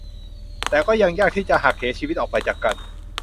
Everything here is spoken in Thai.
แต่ก็ยังยากที่จะหักเหชีวิตออกไปจากกัน